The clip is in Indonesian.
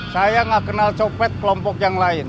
saya nggak kenal copet kelompok yang lain